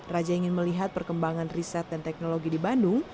raja ingin melihat perkembangan riset dan teknologi di bandung